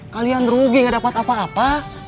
kalian rugi gak dapat apa apa